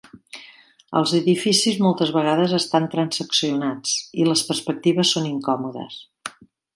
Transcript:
Els edificis moltes vegades estan transeccionats i les perspectives són incòmodes.